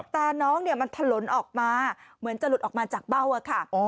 แต่น้องมันถลนออกมาเหมือนจะหลุดออกมาจากเบ้าค่ะ